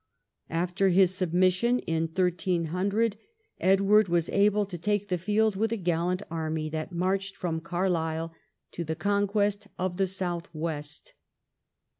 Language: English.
After his sub mission in 1300, Edward was able to take the field with a gallant army, that marched from Carlisle to the con quest of the south west.